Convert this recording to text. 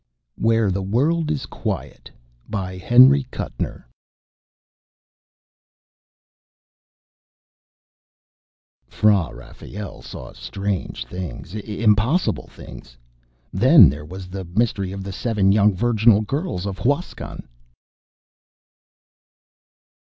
_ where the world is quiet by ... C. H. Liddell Fra Rafael saw strange things, impossible things. Then there was the mystery of the seven young virginal girls of Huascan.